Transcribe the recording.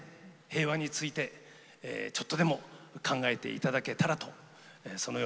平和についてちょっとでも考えていただけたらとそのように願っています。